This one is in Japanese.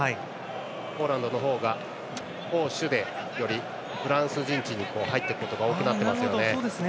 ポーランドの方が攻守で、よりフランス陣地に入っていくことが多くなっていますよね。